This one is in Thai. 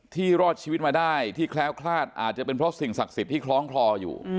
รอดชีวิตมาได้ที่แคล้วคลาดอาจจะเป็นเพราะสิ่งศักดิ์สิทธิ์ที่คล้องคลออยู่